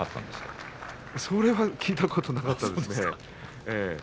それは聞いたことがなかったですね。